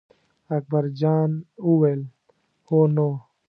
اکبر جان وویل: هو نو.